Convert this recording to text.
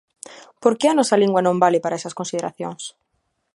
¿Por que a nosa lingua non vale para esas consideracións?